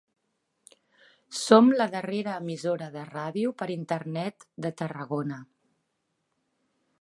Som la darrera emissora de ràdio per internet de Tarragona.